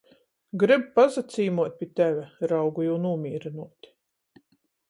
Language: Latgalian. Gryb pasacīmuot pi teve! raugu jū nūmīrynuot.